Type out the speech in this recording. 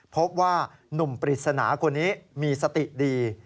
พบว่านุ่มปริศนาคนนี้มีสติดี